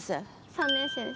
３年生です。